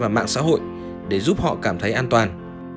và mạng xã hội để giúp họ cảm thấy an toàn